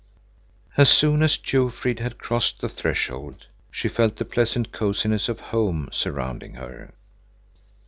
As soon as Jofrid had crossed the threshold, she felt the pleasant cosiness of home surrounding her.